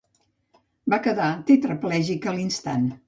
Va quedar tetraplègica a l'instant.